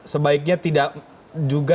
sebaiknya tidak juga